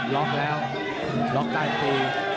ล็อคได้ตี